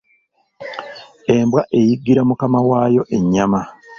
Embwa eyiggira Mukama waayo ennyama.